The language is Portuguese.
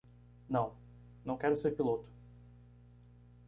Não, não quero ser piloto.